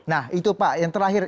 nah itu pak yang terakhir